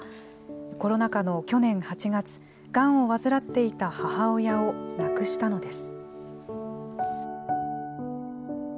コロナ禍の去年８月、がんを患っていた母親を亡くしたのです。